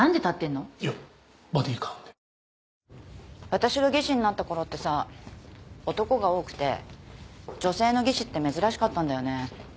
私が技師になったころってさ男が多くて女性の技師って珍しかったんだよね。